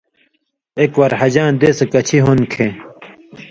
اېک وار حجَاں دېسہۡ کَچھے ہُون٘دہۡ کھیں